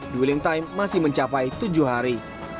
dwelling time masih mencapai tujuh hari